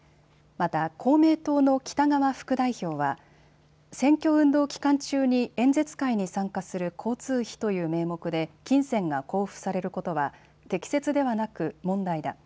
また公明党の北側副代表は選挙運動期間中に演説会に参加する交通費という名目で金銭が交付されることは適切ではなく問題だ。